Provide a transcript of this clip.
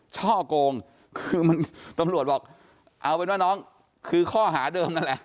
ช่อกงคือมันตำรวจบอกเอาเป็นว่าน้องคือข้อหาเดิมนั่นแหละ